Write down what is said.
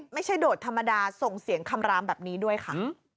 โดดธรรมดาส่งเสียงคำรามแบบนี้ด้วยค่ะ